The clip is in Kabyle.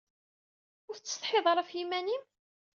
Ur tessetḥiḍ ara ɣef yiman-im?